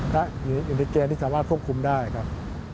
และอยู่ในเกณฑ์ที่สามารถควบคุมได้ครับ